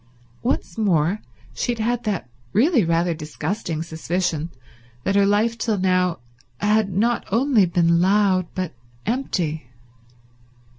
Once more she had that really rather disgusting suspicion that her life till now had not only been loud but empty.